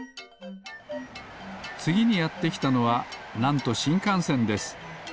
つぎにやってきたのはなんとしんかんせんです。